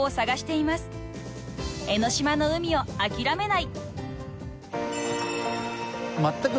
［江ノ島の海を諦めない！］